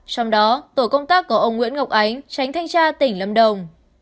trong đó tổ công tác của ông nguyễn ngọc ánh tránh thành tra tỉnh lâm đồng